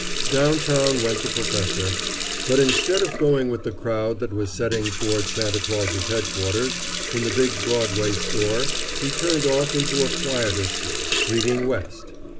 Down town went the professor; but instead of going with the crowd that was setting toward Santa Claus's headquarters, in the big Broadway store, he turned off into a quieter street, leading west.